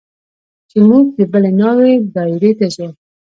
چې موږ د بلې ناوې دايرې ته ځو.